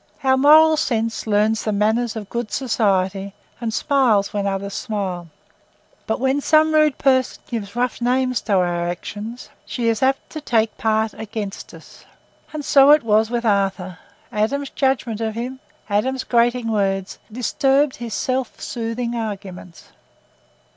Our moral sense learns the manners of good society and smiles when others smile, but when some rude person gives rough names to our actions, she is apt to take part against us. And so it was with Arthur: Adam's judgment of him, Adam's grating words, disturbed his self soothing arguments.